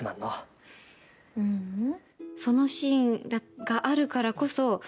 ううん。